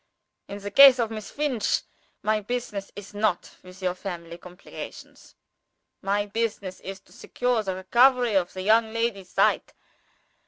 In the case of Miss Finch, my business is not with your family complications. My business is to secure the recovery of the young lady's sight.